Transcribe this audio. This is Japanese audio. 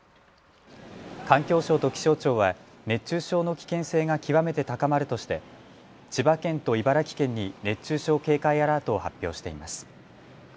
環境省と気象庁は熱中症の危険性が極めて高まるとして千葉県と茨城県に熱中症警戒アラートを発表しています。